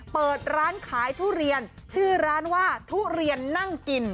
เปิดร้านขายทุเรียนชื่อร้านว่าทุเรียนนั่งกิน